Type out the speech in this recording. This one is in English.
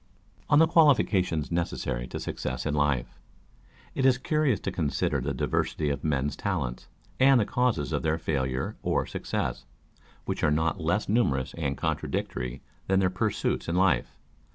On the Qualifications Necessary to Success in Life. It is curious to consider the diversity of men's talents, and the causes of their failure or success, which are not less numerous and contradictory than their pursuits in life.